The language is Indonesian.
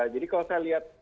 jadi kalau saya lihat